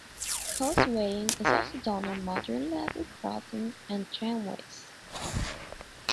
Causewaying is also done on modern level crossings and tramways.